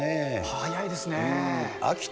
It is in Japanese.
早いですね。